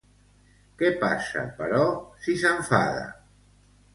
Què passa, però, si s'enfada?